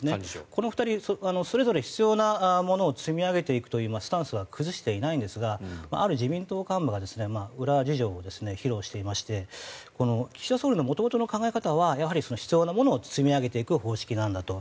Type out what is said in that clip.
この２人、それぞれ必要なものを積み上げていくというスタンスは崩していないんですがある自民党幹部が裏事情を披露していまして岸田総理の元々の考え方はやはり必要なものを積み上げていく方式なんだと。